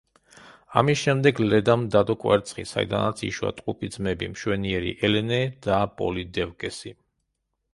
ამის შემდეგ ლედამ დადო კვერცხი, საიდანაც იშვა ტყუპი ძმები, მშვენიერი ელენე და პოლიდევკესი.